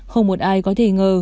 không một ai có thể ngờ